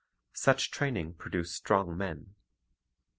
Such training produced strong men.